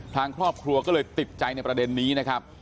ทางครอบครัวก็เลยติดใจในประเด็นนี้นะครับ